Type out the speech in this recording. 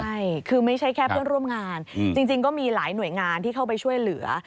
ใช่คือไม่ใช่แค่เพื่อนร่วมงานจริงก็มีหลายหน่วยงานที่เข้าไปช่วยเหลือ